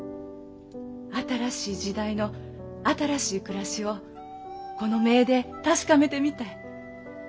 新しい時代の新しい暮らしをこの目で確かめてみたい。